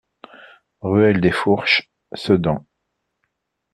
Ruelle des Fourches, Sedan